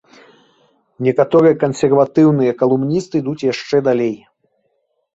Некаторыя кансерватыўныя калумністы ідуць яшчэ далей.